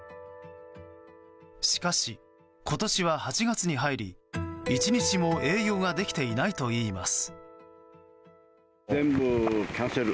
しかし、今年は８月に入り１日にも営業ができていないといいます。